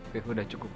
fir udah cukup